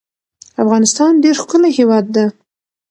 افغانستان ډیر ښکلی هیواد ده